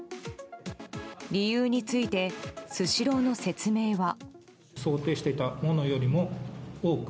理由についてスシローの説明は。